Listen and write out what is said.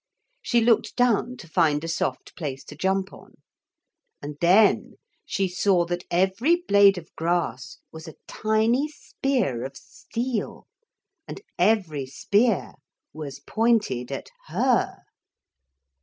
She looked down to find a soft place to jump on. And then she saw that every blade of grass was a tiny spear of steel, and every spear was pointed at her.